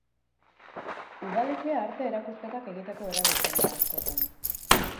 Udaletxea arte erakusketak egiteko erabiltzen da askotan.